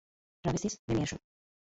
Ramesses, নেমে এসো!